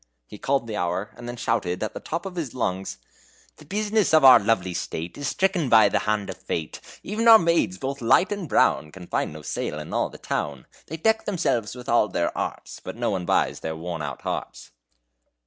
He called the hour, and then shouted, at the top of his lungs: The bus'ness of our lovely state Is stricken by the hand of fate Even our maids, both light and brown, Can find no sale in all the town; They deck themselves with all their arts, But no one buys their worn out hearts."